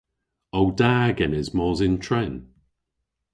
O da genes mos yn tren?